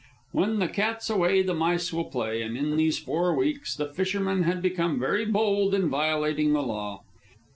When the cat's away the mice will play, and in these four weeks the fishermen had become very bold in violating the law.